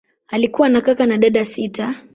Alikuwa na kaka na dada sita.